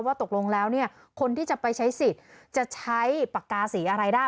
ตกลงแล้วเนี่ยคนที่จะไปใช้สิทธิ์จะใช้ปากกาสีอะไรได้